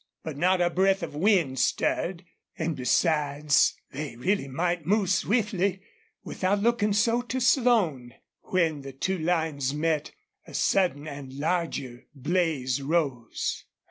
But not a breath of wind stirred, and besides they really might move swiftly, without looking so to Slone. When the two lines met a sudden and larger blaze rose.